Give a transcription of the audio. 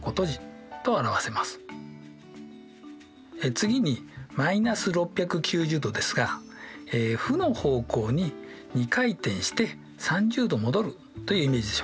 次に−６９０°ですが負の方向に２回転して３０°戻るというイメージでしょうかね。